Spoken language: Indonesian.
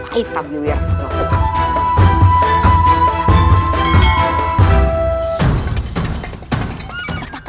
tidak ada apa apa